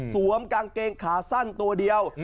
กางเกงขาสั้นตัวเดียว